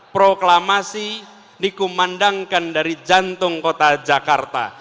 proklamasi dikumandangkan dari jantung kota jakarta